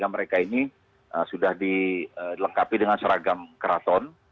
mereka ini sudah dilengkapi dengan seragam keraton